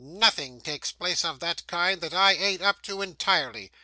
'Nothing takes place, of that kind, that I an't up to entirely.